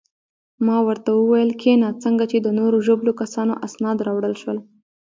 ما ورته وویل: کښېنه، څنګه چې د نورو ژوبلو کسانو اسناد راوړل شول.